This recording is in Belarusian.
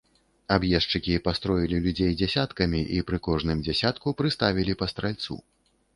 Аб'ездчыкі пастроілі людзей дзясяткамі і пры кожным дзясятку прыставілі па стральцу.